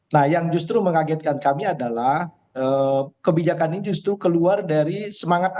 nah yang justru mengagetkan kami adalah kebijakan ini justru keluar dari semangat